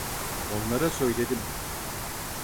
Onlara söyledim.